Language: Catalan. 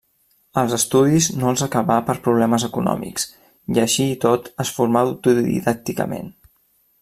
Els estudis no els acabà per problemes econòmics i així i tot es formà autodidàcticament.